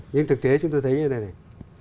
nhưng thực tế chúng tôi thấy như thế này